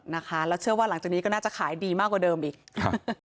นะคะแล้วเชื่อว่าหลังจากนี้ก็น่าจะขายดีมากกว่าเดิมอีกครับ